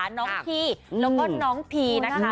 น้องทีแล้วก็น้องพีนะคะ